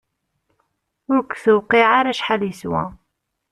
Ur k-tewqiε ara acḥal yeswa!